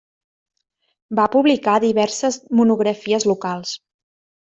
Va publicar diverses monografies locals.